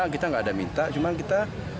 kita nggak ada minta cuma kita